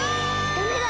ダメだ！